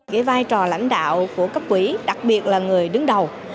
gây vai trò lãnh đạo của cấp quỷ đặc biệt là người đứng đầu